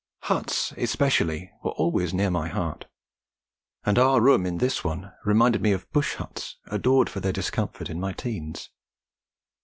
Huts especially were always near my heart, and our room in this one reminded me of bush huts adored for their discomfort in my teens.